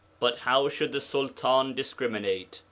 But how should the Sultan discriminate?